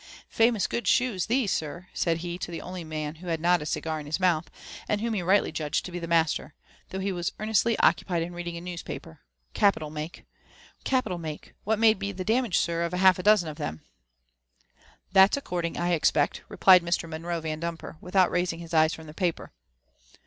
<< Famous good shoes these, sir," said he to the only man who had Data cigar in his mouth, and whom he rightty judged to be the master, though he was earnestly occupied in reading a newspaper; capital make — what may be the damage, air, of half a dozen of them T ''That's according, I expect," replied Mr. Monroe Yandumper, without raising his eyes from the paper.